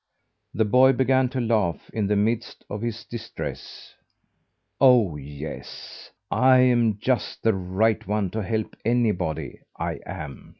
The boy began to laugh in the midst of his distress. "Oh, yes! I'm just the right one to help anybody, I am!"